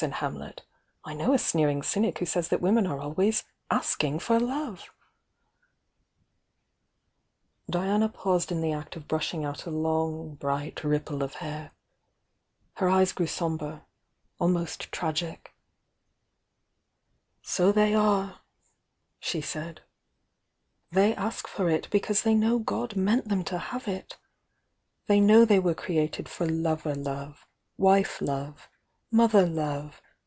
"*^"'"'^^ I •'"o^ a sneering cjnk who says that women are always 'asking for lovoi' " Diana paused m the act of brushing out a long aiSf °''"^"^^^^^^ ^ew^sombr^S^ "So they are!" she said. "They ask for it because they know God meant them to hav^ it! They know they were created for lover love, wife love mothw love.